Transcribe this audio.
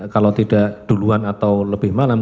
kalau tidak duluan atau lebih malam